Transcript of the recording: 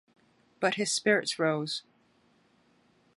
But his spirits rose.